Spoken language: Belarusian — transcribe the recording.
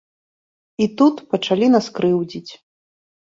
І тут пачалі нас крыўдзіць.